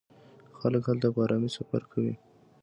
خلک هلته په ارامۍ سفر کوي.